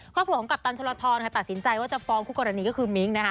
ครอบครัวของกัปตันชลทรตัดสินใจว่าจะฟ้องคู่กรณีก็คือมิ้งนะคะ